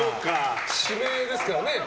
地名ですからね。